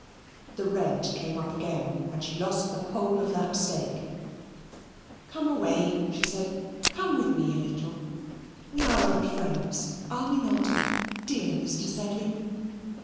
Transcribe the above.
The red came up again, and she lost the whole of that stake. "Come away," she said. "Come with me a little we are old friends, are we not, dear Mr. Sedley?"